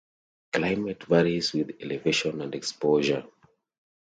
Climate varies with elevation and exposure.